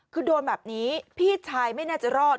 คือโดนแบบนี้พี่ชายไม่น่าจะรอด